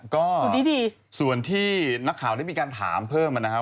ก็ส่วนที่นักข่าวได้มีการถามเพิ่มนะครับ